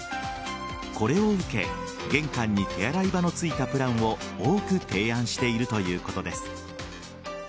これを受け玄関に手洗い場のついたプランを多く提案しているということです。